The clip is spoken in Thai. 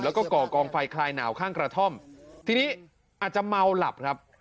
แล้วก็ก่อกองไฟคลายหนาวข้างกระท่อมทีนี้อาจจะเมาหลับครับ